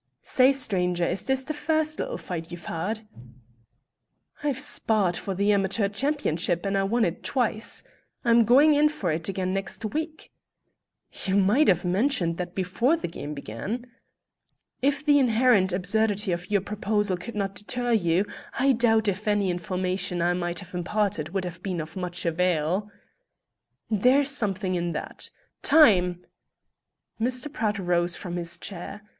Say, stranger, is this the first little fight you've had?" "I've sparred for the amateur championship, and won it twice. I'm going in for it again next week." "You might have mentioned that before the game began." "If the inherent absurdity of your proposal could not deter you, I doubt if any information I might have imparted would have been of much avail." "There's something in that. Time!" Mr. Pratt rose from his chair.